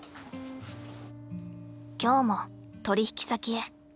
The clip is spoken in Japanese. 今日も取引先へ。